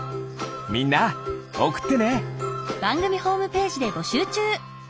みんなおくってね！